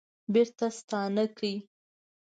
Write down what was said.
بیرته ستانه کړي